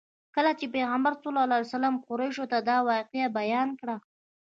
کله چې پیغمبر صلی الله علیه وسلم قریشو ته دا واقعه بیان کړه.